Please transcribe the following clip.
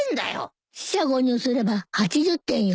四捨五入すれば８０点よ。